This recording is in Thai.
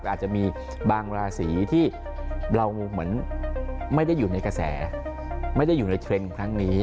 อาจจะมีบางราศีที่เราเหมือนไม่ได้อยู่ในกระแสไม่ได้อยู่ในเทรนด์ครั้งนี้